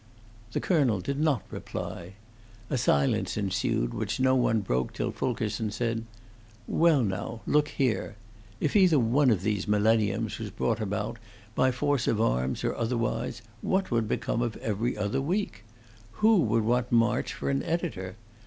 The colonel did not reply. A silence ensued, which no one broke till Fulkerson said: "Well, now, look here. If either one of these millenniums was brought about, by force of arms, or otherwise, what would become of 'Every Other Week'? Who would want March for an editor?